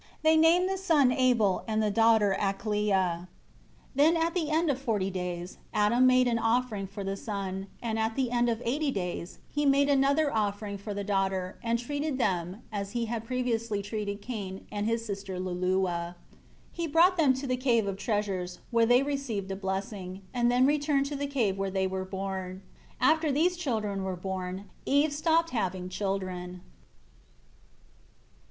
They named the son Abel and the daughter Aklia. 12 Then at the end of forty days, Adam made an offering for the son, and at the end of eighty days he made another offering for the daughter, and treated them, as he had previously treated Cain and his sister Luluwa. 13 He brought them to the Cave of Treasures, where they received a blessing, and then returned to the cave where they were born. After these children were born, Eve stopped having children.